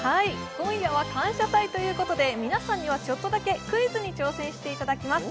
今夜は「感謝祭」ということで、皆さんにはちょっとだけクイズに挑戦していただきます。